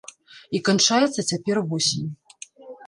І канчаецца цяпер восень.